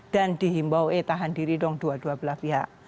dan dihimbau eh tahan diri dong dua dua belah pihak